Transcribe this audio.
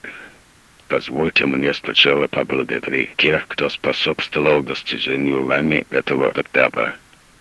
Позвольте мне сначала поблагодарить тех, кто способствовал достижению нами этого этапа.